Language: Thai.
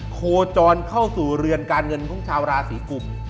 โคจรเข้าสู่เรือนการเงินของชาวราศีกุม